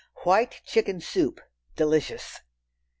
White Chicken Soup (Delicious).